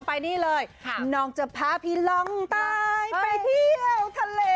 ไปนี่เลยน้องจะพาพี่ลองตายไปเที่ยวทะเล